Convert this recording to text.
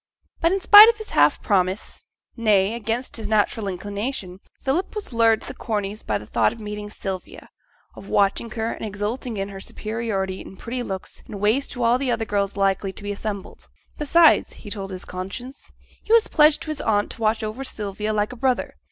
But in spite of his half promise, nay against his natural inclination, Philip was lured to the Corneys' by the thought of meeting Sylvia, of watching her and exulting in her superiority in pretty looks and ways to all the other girls likely to be assembled. Besides (he told his conscience) he was pledged to his aunt to watch over Sylvia like a brother.